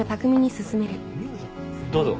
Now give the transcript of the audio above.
どうぞ。